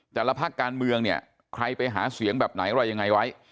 แต่ละภาคการเมืองเนี่ยใครไปหาเสียงแบบไหนอะไรยังไงไว้